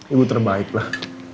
ibu terbaik lah